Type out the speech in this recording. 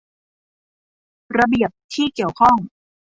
ระเบียบที่เกี่ยวข้อง